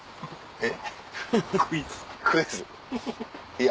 えっ？